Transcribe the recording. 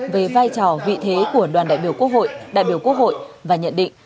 về vai trò vị thế của đoàn đại biểu quốc hội đại biểu quốc hội và nhận định